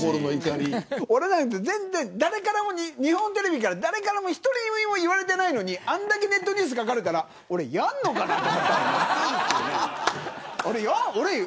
俺なんか日本テレビから誰からも言われていないのにあんだけネットニュースで書かれたら俺、やるのかなと。